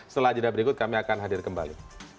setelah jeda berikut kami akan hadir kembali